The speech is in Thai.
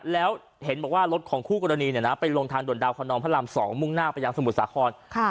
แล้วเห็นบอกว่ารถของคู่กรณีไปลงทางด่วนดาวคนนองพระราม๒มุ่งหน้าไปยังสมุทรสาคร